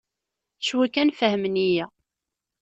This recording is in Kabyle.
Cwi kan fehmen-iyi.